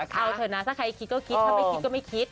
เอาเถอะนะถ้าใครคิดก็คิดถ้าไม่คิดก็ไม่คิด